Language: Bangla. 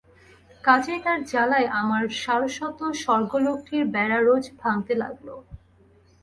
কাজেই তার জ্বালায় আমার সারস্বত স্বর্গলোকটির বেড়া রোজ ভাঙতে লাগল।